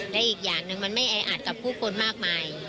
และอีกอย่างหนึ่งมันไม่แออัดกับผู้คนมากมาย